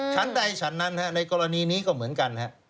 ชั้นใดฉันนั้นในกรณีนี้ก็เหมือนกัน